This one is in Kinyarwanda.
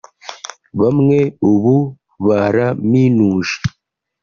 bamwe ubu baraminuje